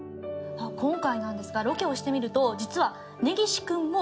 今回なんですがロケをしてみると実は根岸くんも